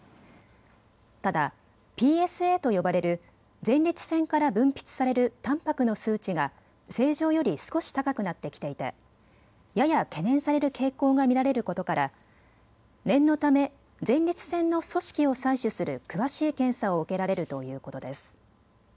ただＰＳＡと呼ばれる前立腺から分泌されるたんぱくの数値が正常より少し高くなってきていてやや懸念される傾向が見られることから念のため前立腺の組織を採取する詳しい検査を受けられるということです。